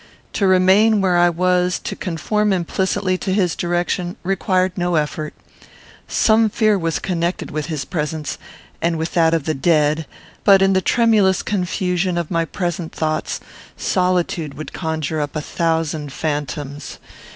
To remain where I was, to conform implicitly to his direction, required no effort. Some fear was connected with his presence, and with that of the dead; but, in the tremulous confusion of my present thoughts, solitude would conjure up a thousand phantoms.